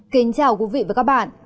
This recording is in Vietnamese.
kính chào quý vị và các bạn